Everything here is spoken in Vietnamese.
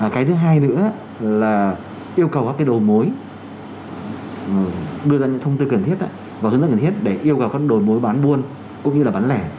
cái thứ hai nữa là yêu cầu các đồ mối đưa ra những thông tư cần thiết và hướng dẫn rất cần thiết để yêu cầu các đồ mối bán buôn cũng như là bán lẻ